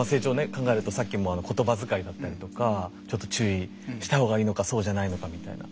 考えるとさっきも言葉遣いだったりとかちょっと注意した方がいいのかそうじゃないのかみたいな。